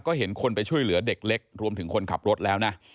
ก็เห็นคนไปช่วยเหลือเด็กเล็กรวมถึงคนขับรถแล้วนะ